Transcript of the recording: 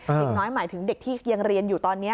เด็กน้อยหมายถึงเด็กที่ยังเรียนอยู่ตอนนี้